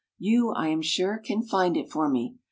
You, I am sure, can find it for me.